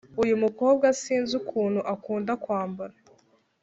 Uyu mukobwa sinzi ukuntu akunda kwambara